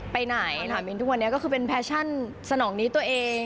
ไปไหนถามมินทุกวันนี้ก็คือเป็นแฟชั่นสนองนี้ตัวเอง